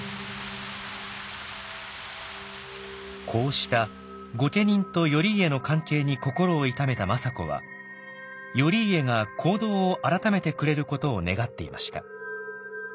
こうした御家人と頼家の関係に心を痛めた政子は頼家が行動をあらためてくれることを願っていました。